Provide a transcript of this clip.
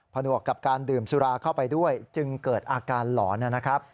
หนวกกับการดื่มสุราเข้าไปด้วยจึงเกิดอาการหลอนนะครับ